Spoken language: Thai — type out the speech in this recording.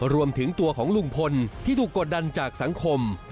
รวมถึงตัวของลุงพลที่ถูกกดดันจากสังคม